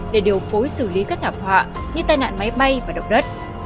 để điều phối xử lý các thảm họa như tai nạn máy bay và động đất